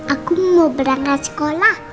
aku mau berangkat sekolah